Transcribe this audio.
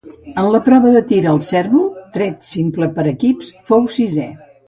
En la prova de tir al cérvol, tret simple per equips fou sisè.